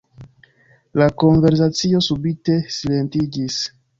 La konversacio subite silentiĝis.